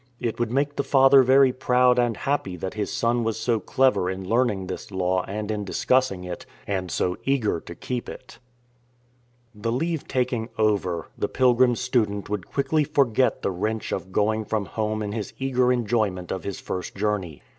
It would make the father very proud and happy that his son was so clever in learning this Law and in discussing it, and so eager to keep it. The leave taking over, the pilgrim student would quickly forget the wrench of going from home in his eager enjoyment of his first journey.